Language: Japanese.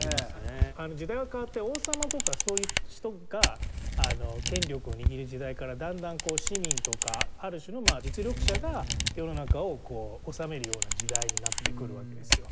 時代は変わって王様とかそういう人が権力を握る時代からだんだんこう市民とかある種の実力者が世の中を治めるような時代になってくるわけですよ。